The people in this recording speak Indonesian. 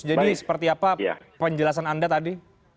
jadi seperti apa penjelasan anda tadi